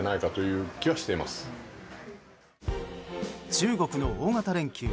中国の大型連休